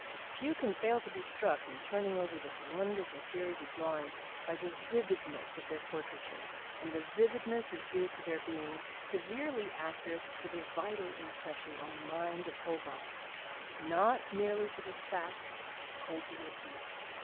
Few can fail to be struck in turning over this wonderful series of drawings by the vividness of their portraiture, and the vividness is due to their being severely accurate to the vital impression on the mind of Holbein, not merely to the facts coldly observed.